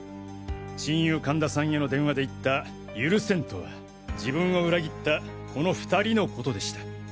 親友神田さんへの電話で言った「許せん」とは自分を裏切ったこの２人のことでした。